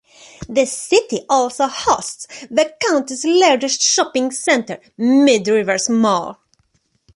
The city also hosts the county's largest shopping center, Mid Rivers Mall.